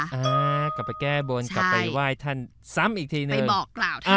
อ่ากลับไปแก้บนกับไปไหว้ทันสำอีกทีเลยไปบอกสำ